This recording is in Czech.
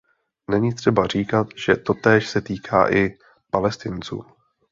Není třeba říkat, že totéž se týká i Palestinců.